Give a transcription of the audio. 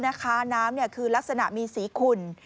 น้ำคือลักษณะมีสีขุ่น